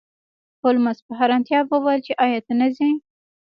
هولمز په حیرانتیا وویل چې ایا ته نه ځې